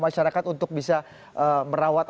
masyarakat untuk bisa merawat